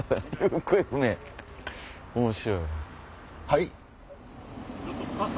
はい？